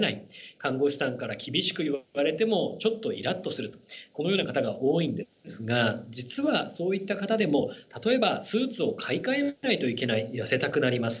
看護師さんから厳しく言われてもちょっとイラッとするとこのような方が多いんですが実はそういった方でも例えばスーツを買い替えないといけない痩せたくなります。